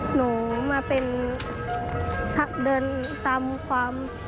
หนูมาเดินตามความเป็นจริงของพี่ป๊อเพื่อทำความดีแรนแบบ